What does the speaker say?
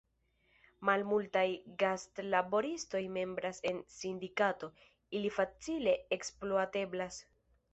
Malmultaj gastlaboristoj membras en sindikato; ili facile ekspluateblas.